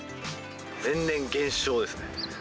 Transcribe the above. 年々減少ですね。